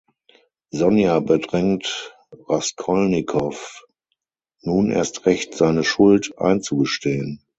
Sonja bedrängt Raskolnikow, nun erst recht seine Schuld einzugestehen.